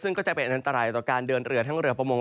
ซึ่งก็จะเป็นอันตรายต่อการเดินเรือทั้งเรือประมง